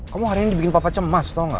kamu hari ini bikin papa cemas tau gak